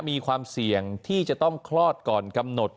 มีความเสี่ยงที่จะต้องคลอดก่อนกำหนด